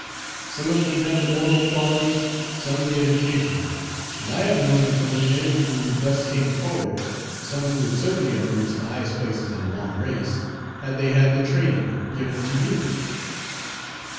Some of them had the moral qualities, some the education; and I have known of those men who thus came forward, some who would certainly have reached the highest places in a long race, had they had the training given to you.